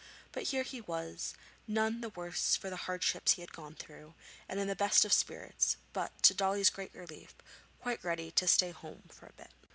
But here he was, none the worse for the hardships he had gone through, and in the best of spirits, but, to Dolly's great relief, quite ready to stay at home for a bit.